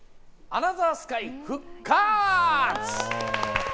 『アナザースカイ』復活！